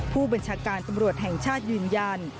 ผู้บัญชาการตำรวจแห่งชาติยืนยัน